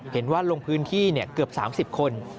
เห็นว่าลงพื้นที่เกือบ๓๐คน